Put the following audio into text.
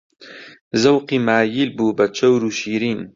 زەوقی مایل بوو بە چەور و شیرین